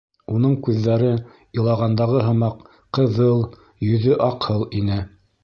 Уның күҙҙәре, илағандағы һымаҡ, ҡыҙыл, йөҙө аҡһыл ине.